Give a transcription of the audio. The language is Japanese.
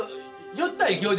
酔った勢い？